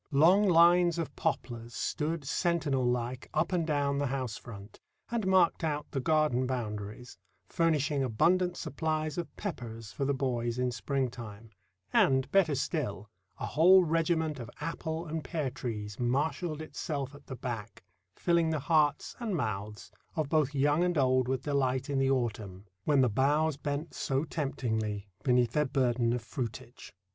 Long lines of poplars stood sentinel like up and down the house front, and marked out the garden boundaries, furnishing abundant supplies of "peppers" for the boys in spring time; and, better still, a whole regiment of apple and pear trees marshalled itself at the back, filling the hearts (and mouths) of both young and old with delight in the autumn, when the boughs bent so temptingly beneath their burden of fruitage.